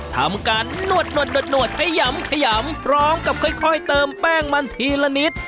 ทำการนวดขยำขยำพร้อมกับค่อยเติมแป้งมันทีละนิด